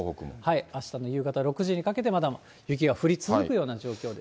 あしたの夕方６時にかけて、雪が降り続くような状況です。